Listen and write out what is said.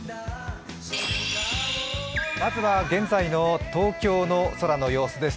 まずは現在の東京の空の様子です。